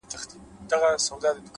نیک اخلاق د انسان ښکلی تصویر دی’